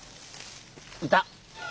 いた！